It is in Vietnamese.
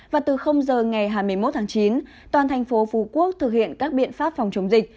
và từ giờ ngày hai mươi một tháng chín toàn thành phố phú quốc thực hiện các biện pháp phòng chống dịch